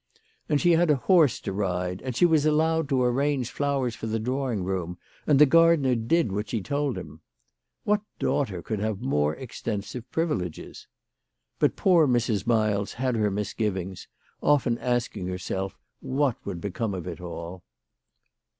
And she had a horse to ride ; and she was allowed to arrange flowers for the drawing room: and the gardener did what she told him. What daughter could have more extensive privileges ? But poor Mrs. Miles had her misgivings, often asking herself what would come of it all.